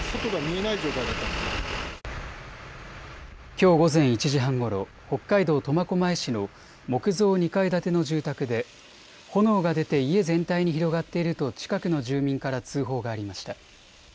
きょう午前１時半ごろ、北海道苫小牧市の木造２階建ての住宅で炎が出て家全体に広がっていると近くの住民から通報がありました。